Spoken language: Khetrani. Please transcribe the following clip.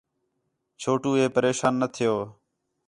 چھوٹو ہے پریشان نہ تِھیؤ